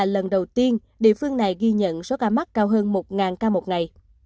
lần đầu tiên địa phương này ghi nhận số ca mắc cao hơn một ca một ngày